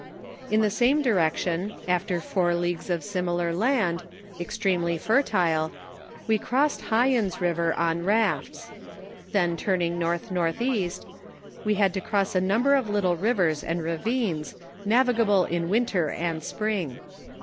In the same direction, after four leagues of similar land, extremely fertile, we crossed Hiens river on rafts ; then turn ing north northeast, we had to cross a number of little rivers and vavines, navigable in winter and spring.